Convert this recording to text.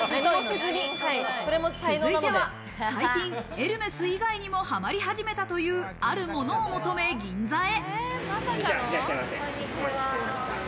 続いては最近、エルメス以外にもハマり始めたという、あるものを求め銀座へ。